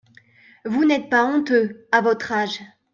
Vous n’êtes pas honteux… à votre âge !